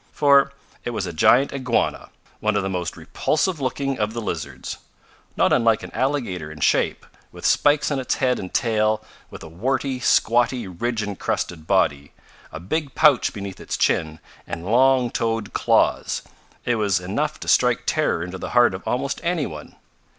For it was a giant iguana, one of the most repulsive looking of the lizards. Not unlike an alligator in shape, with spikes on its head and tail, with a warty, squatty ridge encrusted body, a big pouch beneath its chin, and long toed claws, it was enough to strike terror into the heart of almost any one.